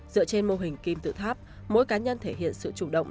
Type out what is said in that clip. dựa trên mô hình kim tự tháp mỗi cá nhân thể hiện sự chủ động